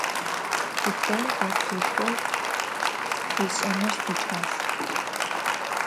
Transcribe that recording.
Futbol, baskêtbol sêş'enır siç'as.